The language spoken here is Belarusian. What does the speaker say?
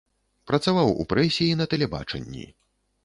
Працаваў у прэсе і на тэлебачанні.